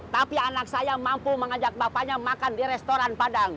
tapi anak saya mampu mengajak bapaknya makan di restoran padang